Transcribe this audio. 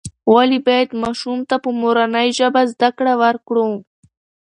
ولې باید ماشوم ته په مورنۍ ژبه زده کړه ورکړو؟